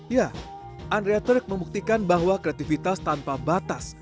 ya andrea turk membuktikan bahwa kreativitas tanpa batas